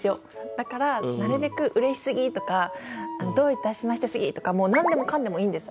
だからなるべく「うれしすぎ」とか「どういたしましてすぎ」とかなんでもかんでもいいんです。